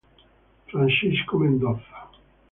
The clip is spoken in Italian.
Francisco Mendoza